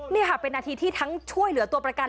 นี่ค่ะเป็นนาทีที่ทั้งช่วยเหลือตัวประกัน